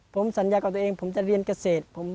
ผมสัญญากับตัวเองผมจะเรียนเกษตร